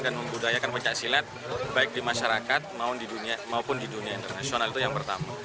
dan membudayakan pencaksilat baik di masyarakat maupun di dunia internasional itu yang pertama